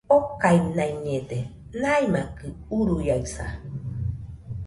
okainaiñede, naimakɨ uruiaɨsa